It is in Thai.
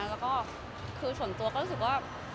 แล้วก็คือส่วนตัวก็รู้สึกว่า